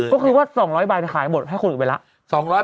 ก็คือว่า๒๐๐ใบขายหมดให้คนอื่นไปแล้ว